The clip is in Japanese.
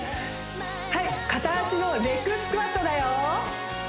はい片足のレッグスクワットだよ